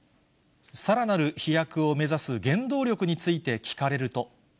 さらなる飛躍を目指す原動力について聞かれると。